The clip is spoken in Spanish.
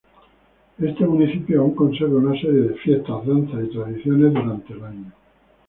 Este municipio aún conserva una serie de fiestas, danzas y tradiciones durante el año.